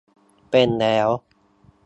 เป็นแล้ว